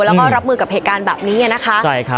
แล้วก็รับมือกับเหตุการณ์แบบนี้นะคะ